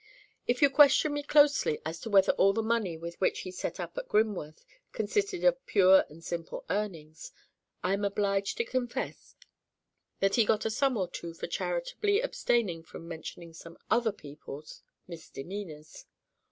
If you question me closely as to whether all the money with which he set up at Grimworth consisted of pure and simple earnings, I am obliged to confess that he got a sum or two for charitably abstaining from mentioning some other people's misdemeanours.